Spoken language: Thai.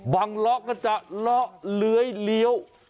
เลาะก็จะเลาะเลื้อยเลี้ยว